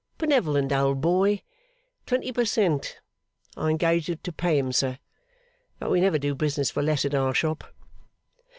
Benevolent old boy! Twenty per cent. I engaged to pay him, sir. But we never do business for less at our shop.